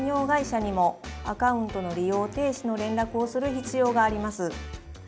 会社にもアカウントの利用停止の連絡をする必要があります。